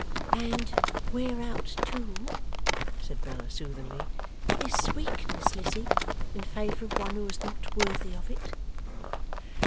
'And wear out too,' said Bella soothingly, 'this weakness, Lizzie, in favour of one who is not worthy of it.